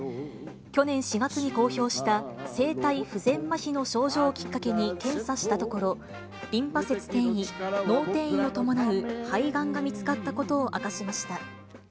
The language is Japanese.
去年４月に公表した声帯不全まひの症状をきっかけに検査したところ、リンパ節転移、脳転移を伴う肺がんが見つかったことを明かしました。